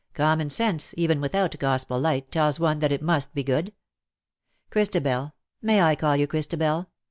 ^^ Common sense, even without Gospel light, tells one that it must be good. Christabel — may I call you Christabel